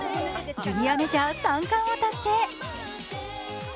ジュニアメジャー３冠を達成。